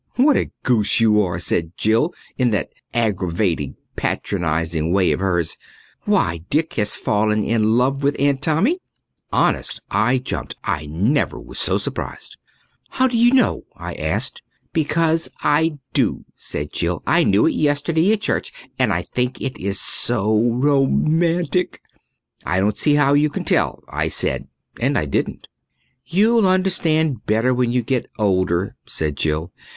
"What a goose you are!" said Jill in that aggravatingly patronizing way of hers. "Why, Dick has fallen in love with Aunt Tommy!" Honest, I jumped. I never was so surprised. "How do you know?" I asked. "Because I do," said Jill. "I knew it yesterday at church and I think it is so romantic." "I don't see how you can tell," I said and I didn't. "You'll understand better when you get older," said Jill.